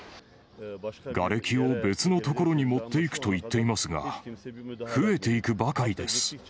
がれきを別の所に持っていくと言っていますが、増えていくばかりです。